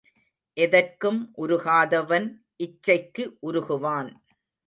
எதற்கும் உருகாதவன் இச்சைக்கு உருகுவான்.